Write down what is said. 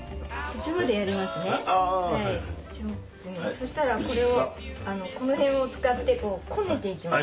そしたらこれをこの辺を使ってこうこねていきます。